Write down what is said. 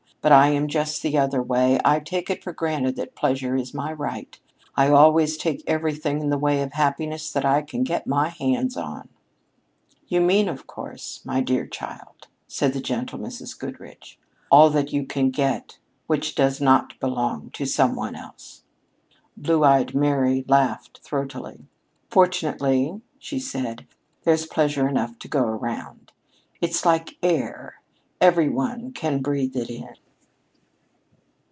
But I am just the other way I take it for granted that pleasure is my right. I always take everything in the way of happiness that I can get my hands on." "You mean, of course, my dear child," said the gentle Mrs. Goodrich, "all that you can get which does not belong to some one else." Blue eyed Mary laughed throatily. "Fortunately," she said, "there's pleasure enough to go around. It's like air, every one can breathe it in."